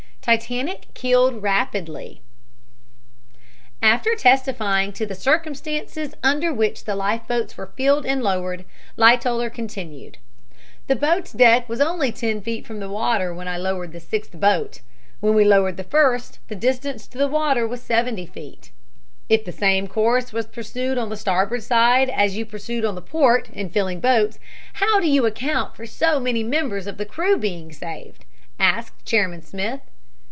TITANIC KILLED RAPIDLY After testifying to the circumstances under which the life boats were filled and lowered, Lightoller continued. "The boat's deck was only ten feet from the water when I lowered the sixth boat. When we lowered the first, the distance to the water was seventy feet." "If the same course was pursued on the starboard side as you pursued on the port, in filling boats, how do you account for so many members of the crew being saved?" asked Chairman Smith.